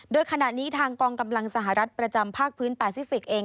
โดยขณะนี้ทางกองกำลังสหรัฐประจำภาคพื้นแปซิฟิกส์เอง